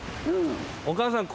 お母さん。